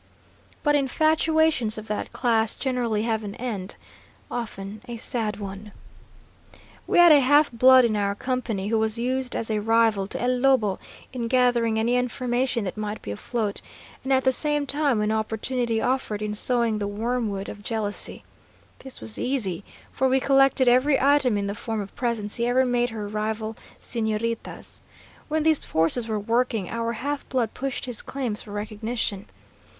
But infatuations of that class generally have an end, often a sad one. "We had a half blood in our company, who was used as a rival to El Lobo in gathering any information that might be afloat, and at the same time, when opportunity offered, in sowing the wormwood of jealousy. This was easy, for we collected every item in the form of presents he ever made her rival señoritas. When these forces were working, our half blood pushed his claims for recognition.